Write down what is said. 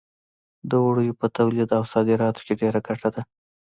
د وړیو په تولید او صادراتو کې ډېره ګټه ده.